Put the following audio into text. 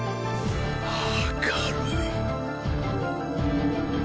明るい。